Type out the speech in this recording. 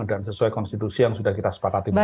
sesuai konstitusi yang sudah kita sepakati bersama